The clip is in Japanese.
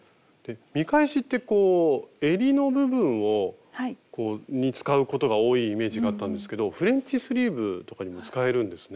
見返しってこうえりの部分に使うことが多いイメージがあったんですけどフレンチスリーブとかにも使えるんですね。